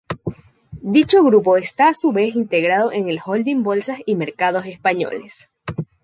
Dicho grupo está a su vez integrado en el holding Bolsas y Mercados Españoles.